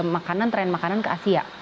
makanan tren makanan ke asia